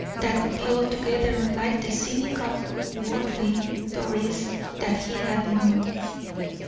That would be altogether unlike the cynical, worldly Doris he had known.